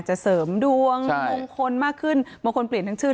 จะเสริมดวงมงคลมากขึ้นบางคนเปลี่ยนทั้งชื่อ